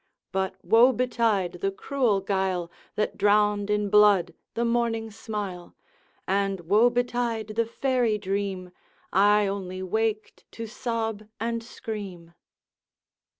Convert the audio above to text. But woe betide the cruel guile That drowned in blood the morning smile! And woe betide the fairy dream! I only waked to sob and scream.